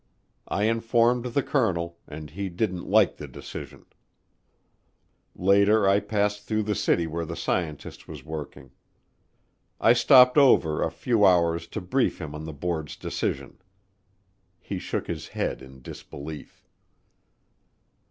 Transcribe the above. I informed the colonel, and he didn't like the decision. Later I passed through the city where the scientist was working. I stopped over a few hours to brief him on the board's decision. He shook his head in disbelief.